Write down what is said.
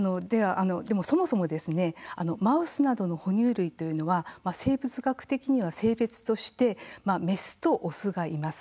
そもそもマウスなどの哺乳類というのは生物学的には性別としてメスとオスがいます。